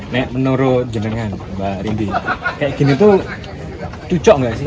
nek menurut jenengan mbak rindy kayak gini tuh cucok gak sih